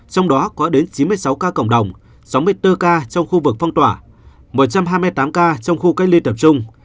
trong đó có đến chín mươi sáu ca cộng đồng sáu mươi bốn ca trong khu vực phong tỏa một trăm hai mươi tám ca trong khu cách ly tập trung